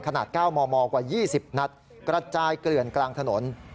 ๙มมกว่า๒๐นัดกระจายเกลื่อนกลางถนน